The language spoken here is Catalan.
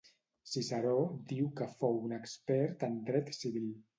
Ciceró diu que fou un expert en dret civil.